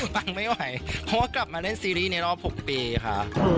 เพราะว่ากลับมาเล่นซีรีส์ในรอบ๖ปีค่ะ